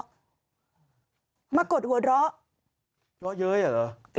เล่าเยอะอย่างนั้นหรอ